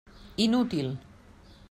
Inútil.